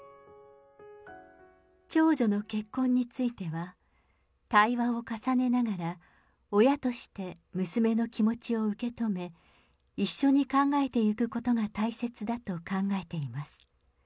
長女の結婚については、対話を重ねながら、親として、娘の気持ちを受け止め、一緒に考えていくことが大切だと考えています。